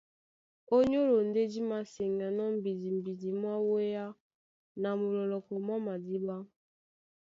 Ó nyólo ndé dí māseŋganɔ́ mbidimbidi mwá wéá na mulɔlɔkɔ mwá madíɓá.